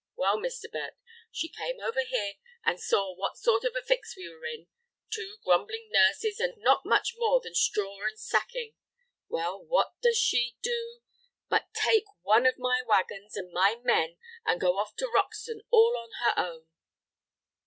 Well, Mr. Burt, she came over here, and saw what sort of a fix we were in, two grumbling nurses, and not much more than straw and sacking. Well, what does she do but take one of my wagons and my men and go off to Roxton all on her own."